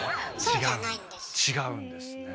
違うんですね。